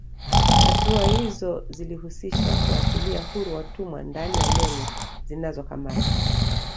Hatua izo zilihusisha kuwaachilia huru watumwa ndani ya meli zinazokamatwa